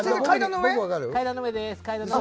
階段の上です。